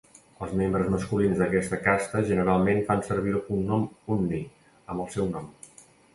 Els membres masculins d'aquesta casta generalment fan servir el cognom Unni amb el seu nom.